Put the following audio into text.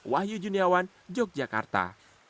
wahyu juniawan yogyakarta